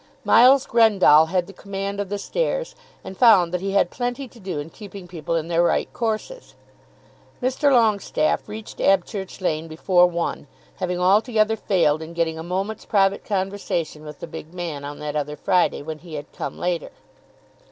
Miles Grendall had the command of the stairs, and found that he had plenty to do in keeping people in their right courses. Mr. Longestaffe reached Abchurch Lane before one, having altogether failed in getting a moment's private conversation with the big man on that other Friday, when he had come later.